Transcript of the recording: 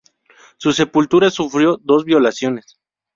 Su sepultura sufrió dos violaciones.